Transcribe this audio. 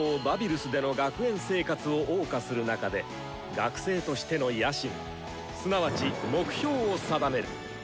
バビルスでの学園生活をおう歌する中で学生としての野心すなわち目標を定める。